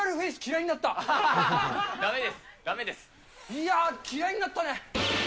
いやー、嫌いになったね。